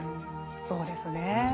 そうですねえ。